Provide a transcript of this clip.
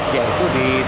yaitu di teras ini